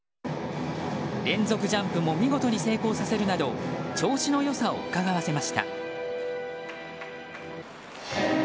連続ジャンプも見事に成功させるなど調子の良さをうかがわせました。